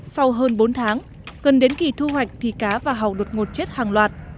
sau hơn bốn tháng gần đến kỳ thu hoạch thì cá và hầu đột ngột chết hàng loạt